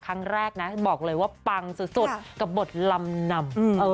ครั้งแรกนะบอกเลยว่าปังสุดกับบทลำนำ